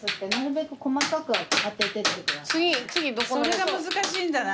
それが難しいんだな。